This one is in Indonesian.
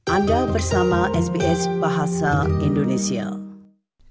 anda bersama sbs bahasa indonesia